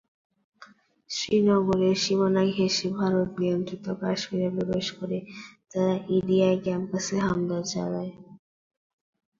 শ্রীনগরের সীমানা ঘেঁষে ভারতনিয়ন্ত্রিত কাশ্মীরে প্রবেশ করে তারা ইডিআই ক্যাম্পাসে হামলা চালায়।